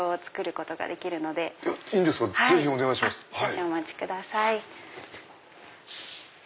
少々お待ちください。